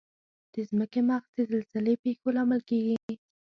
د ځمکې مغز د زلزلې پېښو لامل کیږي.